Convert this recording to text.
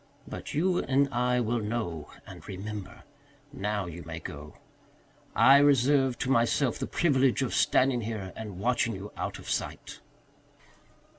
But you and I will know and remember. Now, you may go. I reserve to myself the privilege of standing here and watching you out of sight."